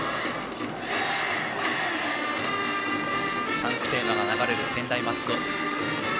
チャンステーマが流れる専大松戸。